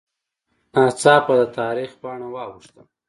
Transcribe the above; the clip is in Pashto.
ناڅاپه د تاریخ پاڼه واوښته